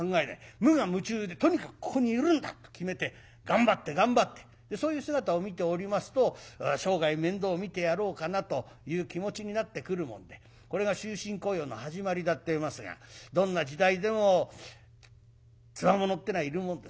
無我夢中でとにかくここにいるんだと決めて頑張って頑張ってそういう姿を見ておりますと生涯面倒を見てやろうかなという気持ちになってくるもんでこれが終身雇用の始まりだといいますがどんな時代でもつわものってのはいるもんです。